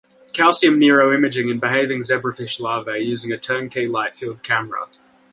Calcium neuroimaging in behaving zebrafish larvae using a turn-key light field camera.